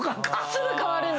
すぐ変わるんで。